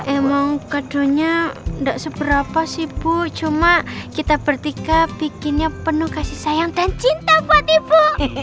emang kadonya enggak seberapa sih bu cuma kita bertiga bikinnya penuh kasih sayang dan cinta buat ibu